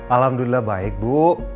alhamdulillah baik bu